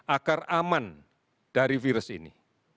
agar aman dari virus ini